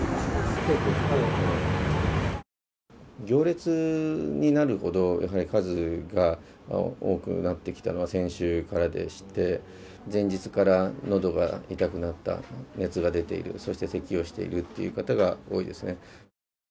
行列になるほど数が多くなってきたのは先週からでして、前日から喉が痛くなった、熱が出ている、せきをしているっていう方が多いです。